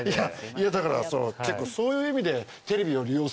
いやだからさ結構そういう意味で。